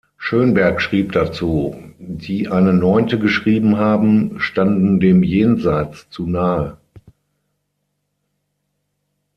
Schönberg schrieb dazu: „Die eine Neunte geschrieben haben, standen dem Jenseits zu nahe.